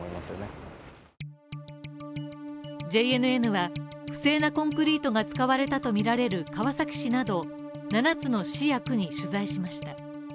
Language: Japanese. ＪＮＮは不正なコンクリートが使われたとみられる川崎市など７つの市や区に取材しました。